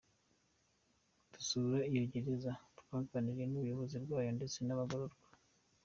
Dusura iyo Gereza twaganiriye n’Ubuyobozi bwayo ndetse n’abagororwa.